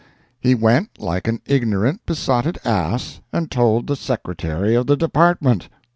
He went, like an ignorant, besotted ass, and told the Secretary of the Department!